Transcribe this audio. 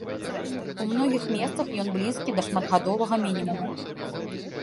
У многіх месцах ён блізкі да шматгадовага мінімуму.